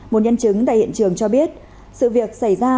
một nhân chứng tại hiện trường cho biết sự việc xảy ra